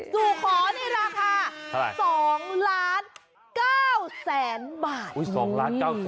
สู่ขอนี่ราคา๒๙๐๐๐๐๐บาท